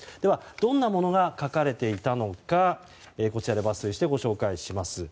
どんなものが書かれていたのかこちらで抜粋してご紹介します。